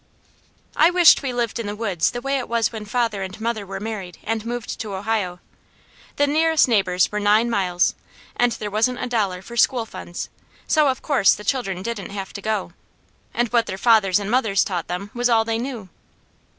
I wished we lived in the woods the way it was when father and mother were married and moved to Ohio. The nearest neighbours were nine miles, and there wasn't a dollar for school funds, so of course the children didn't have to go, and what their fathers and mothers taught them was all they knew.